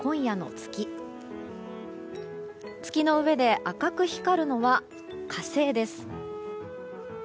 月の上で赤く光るのは火星です。